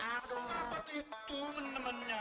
aduh apat itu menemannya